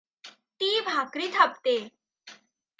ती भाकरी थापते.